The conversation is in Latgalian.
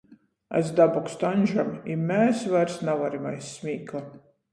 Es dabokstu Aņžam, i mes vairs navarim aiz smīkla.